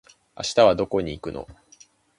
明日はどこに行くの？